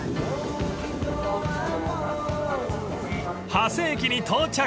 ［長谷駅に到着］